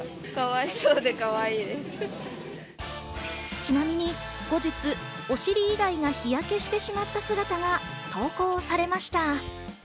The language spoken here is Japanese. ちなみに後日、お尻以外が日焼けしてしまった姿が投稿されました。